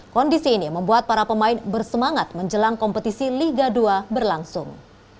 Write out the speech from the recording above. kondisi ini membuat para pemain bersemangat menjelang kompetisi liga dua berlangsung